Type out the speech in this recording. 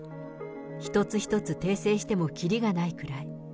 一つ一つ訂正してもきりがないくらい。